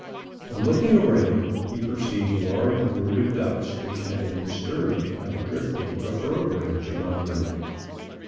On looking round, he perceived a large brood of ducks, which had been disturbed by the drifting of a fir branch among them.